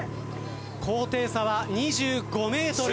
高低差は２５ｍ。